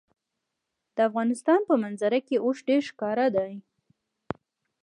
د افغانستان په منظره کې اوښ ډېر ښکاره دی.